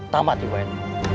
tamat di wn